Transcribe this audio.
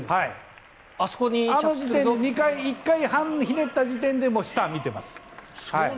あの時点で１回半ひねった時点でもう下は見ています。